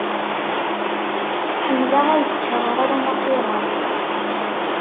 Ḥemmleɣ ad ččeɣ aɣṛum aqquṛan.